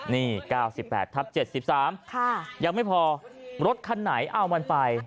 นี่เก้าสิบแปดทับเจ็ดสิบสามค่ะยังไม่พอรถคันไหนเอามันไป